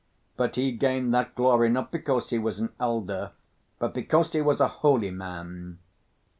"But he gained that glory not because he was an elder, but because he was a holy man."